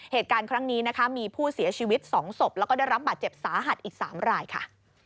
เหตุการณ์ครั้งนี้นะคะมีผู้เสียชีวิต๒ศพแล้วก็ได้รับบาดเจ็บสาหัสอีก๓รายค่ะ